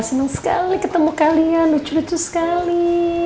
senang sekali ketemu kalian lucu lucu sekali